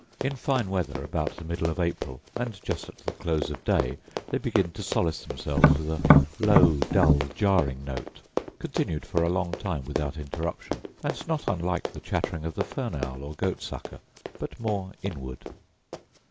In fine weather, about the middle of April, and just at the close of day, they begin to solace themselves with a low, dull, jarring note, continued for a long time without interruption, and not unlike the chattering of the fern owl, or goat sucker, but more inward.